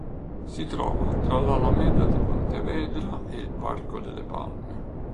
Si trova tra l'Alameda di Pontevedra e il Parco delle Palme.